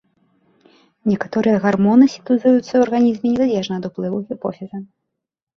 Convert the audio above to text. Некаторыя гармоны сінтэзуюцца ў арганізме незалежна ад уплыву гіпофіза.